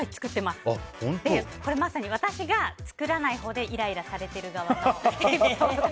まさに、私が作らないほうでイライラされてる側の。